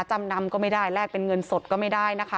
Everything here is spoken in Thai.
จำนำก็ไม่ได้แลกเป็นเงินสดก็ไม่ได้นะคะ